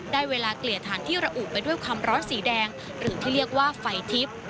ได้เวลาเกลี่ยฐานที่ระอุไปด้วยความร้อนสีแดงหรือที่เรียกว่าไฟทิพย์